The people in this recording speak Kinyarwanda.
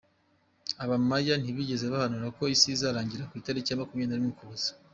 Abamaya ntibigeze bahanura ko isi izarangira ku itariki ya makumyabiri narimwe Ukuboza